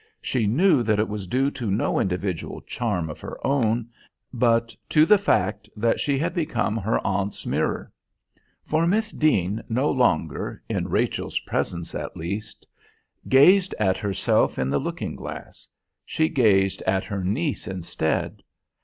She knew that it was due to no individual charm of her own, but to the fact that she had become her aunt's mirror. For Miss Deane no longer, in Rachel's presence at least, gazed at herself in the looking glass; she gazed at her niece instead.